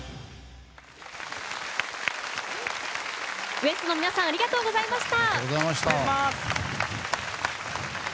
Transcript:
ＷＥＳＴ．の皆さんありがとうございました。